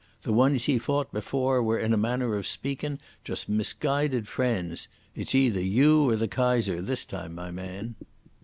The ones ye fought before were in a manner o' speakin' just misguided friends. It's either you or the Kaiser this time, my man!